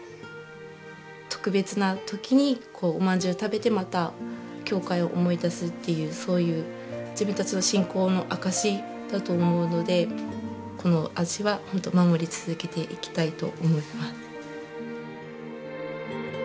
特別な時にお饅頭食べてまた教会を思い出すっていうそういう自分たちの信仰の証しだと思うのでこの味はほんと守り続けていきたいと思います。